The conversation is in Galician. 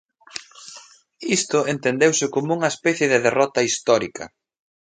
Isto entendeuse como unha especie de derrota histórica.